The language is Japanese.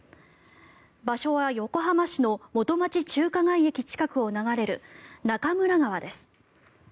場所は横浜市の元町・中華街駅近くを流れる中村川です。